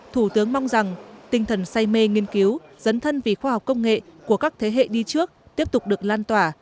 thủ tướng mong rằng tinh thần say mê nghiên cứu dấn thân vì khoa học công nghệ của các thế hệ đi trước tiếp tục được lan tỏa